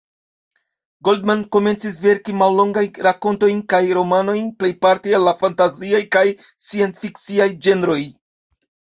Goldman komencis verki mallongajn rakontojn kaj romanojn, plejparte el la fantaziaj kaj sciencfikciaj ĝenroj.